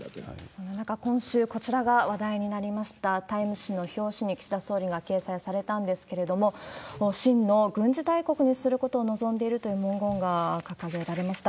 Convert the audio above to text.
そんな中、今週話題になりました、ＴＩＭＥ誌の表紙に岸田総理が掲載されたんですけれども、真の軍事大国にすることを臨んでいるという文言が掲げられました。